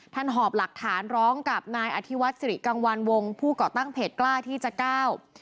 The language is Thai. หอบหลักฐานร้องกับนายอธิวัฒน์สิริกังวัลวงผู้ก่อตั้งเพจกล้าที่จะก้าว